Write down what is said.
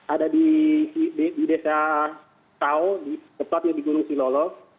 ada di desa tau tepatnya di gunung silolo